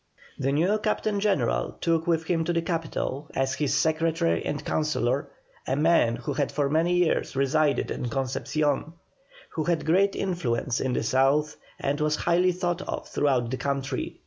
The new Captain General took with him to the capital, as his secretary and councillor, a man who had for many years resided at Concepcion, who had great influence in the south and was highly thought of throughout the country.